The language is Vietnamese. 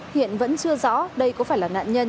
hiện vẫn chưa rõ đây có phải là nạn